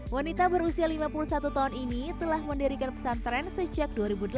wanita berusia lima puluh satu tahun ini telah mendirikan pesantren sejak dua ribu delapan belas